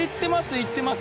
行ってます。